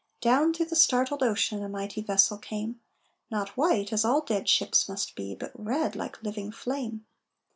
Down through the startled ocean A mighty vessel came, Not white, as all dead ships must be, But red, like living flame!